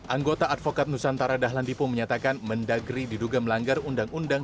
anggota advokat nusantara dahlan dipo menyatakan mendagri diduga melanggar undang undang